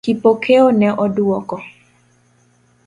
Kipokeo ne oduoko